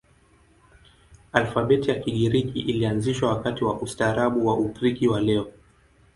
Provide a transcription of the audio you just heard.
Alfabeti ya Kigiriki ilianzishwa wakati wa ustaarabu wa Ugiriki wa leo.